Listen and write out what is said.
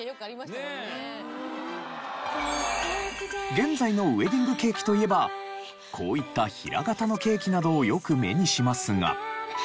現在のウエディングケーキといえばこういった平型のケーキなどをよく目にしますが。